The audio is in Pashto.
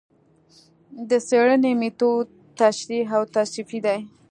د څېړنې مېتود تشریحي او توصیفي دی